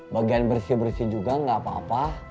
bagian bersih bersih juga nggak apa apa